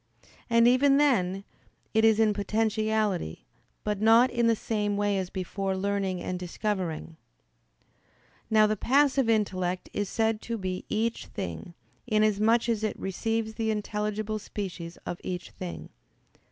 And, even then, it is in potentiality, but not in the same way as before learning and discovering." Now, the passive intellect is said to be each thing, inasmuch as it receives the intelligible species of each thing.